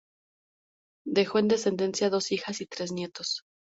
Dejó en descendencia dos hijas y tres nietos.